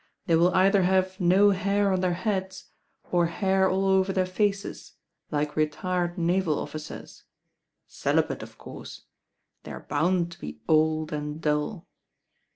They will either have no hair on their heads, or hair all over their faces, like retired naval officers—celibate, of course. They are bound to be old and dull."